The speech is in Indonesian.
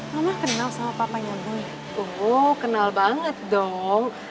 mama kenal sama papahnya boy oh kenal banget dong